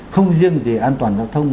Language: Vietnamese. không riêng gì an toàn giao thông